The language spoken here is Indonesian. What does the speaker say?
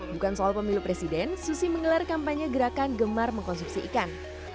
bukan soal pemilu presiden susi menggelar kampanye gerakan gemar mengkonsumsi ikan